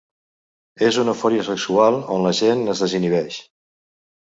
És una eufòria sexual on la gent es desinhibeix.